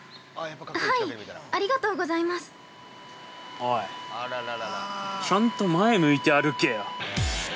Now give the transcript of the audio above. ◆おい、ちゃんと前向いて歩けよ。